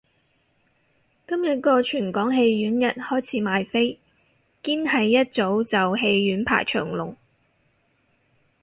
今日個全港戲院日開始賣飛，堅係一早就戲院排長龍